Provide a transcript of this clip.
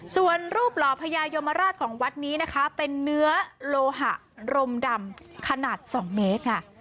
ส่วนรูปหล่อพญายมราชของวัดนี้นะคะเป็นเนื้อโลหะรมดำขนาด๒เมตรค่ะ